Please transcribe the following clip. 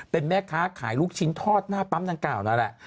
เป็นแม่ค้าขายลูกชิ้นทอดหน้าปั๊มดังกล่าวนั่นแหละ